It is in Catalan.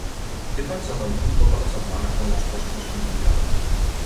He pensat en tu tota la setmana quan les coses es complicaven.